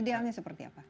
idealnya seperti apa